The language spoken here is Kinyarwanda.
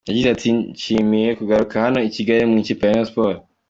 Yagize ati “ Ndishimye kugaruka hano i Kigali mu ikipe ya Rayon Sports.